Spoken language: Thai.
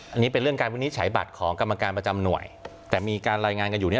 อันนี้เป็นเรื่องการวินิจฉัยบัตรของกรรมการประจำหน่วยแต่มีการรายงานกันอยู่เนี่ย